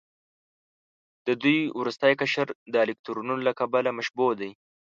د دوی وروستی قشر د الکترونونو له کبله مشبوع دی.